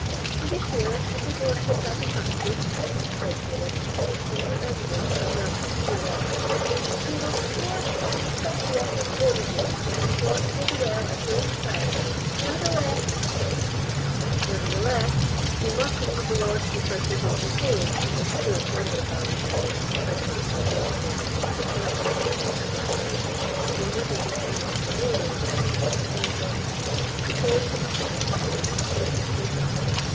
"To be sure, if his lordship has a fancy," said Caleb; and re entering with a jug of pure element—"He will scarce find such water onywhere as is drawn frae the well at Wolf's Crag; nevertheless——" "Nevertheless, we must leave the Lord Keeper to his repose in this poor chamber of ours," said the Master of Ravenswood, interrupting his talkative domestic, who immediately turning to the doorway, with a profound reverence, prepared to usher his master from the secret chamber.